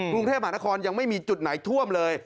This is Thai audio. กรุงเทพมหานครยังไม่มีจุดไหนท่วมเลย